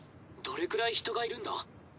どれくらい人がいるんだ？